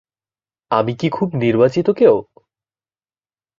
আমি কি খুব নির্বাচিত কেউ?